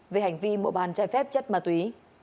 về hành vi mua bàn trái phép chất ma túy